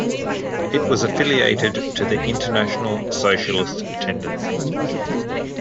It was affiliated to the International Socialist Tendency.